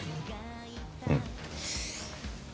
うん。